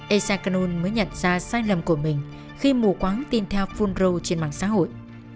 ecanol mới nhận ra sai lầm của mình khi mù quáng tin theo phun rô trên mạng xã hội